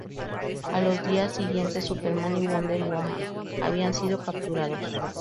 A los días siguientes Superman y Wonder Woman habían sido capturados.